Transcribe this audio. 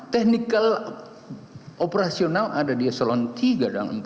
teknikal operasional ada di eselon iii dan iv